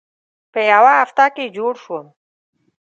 په یوه هفته کې جوړ شوم.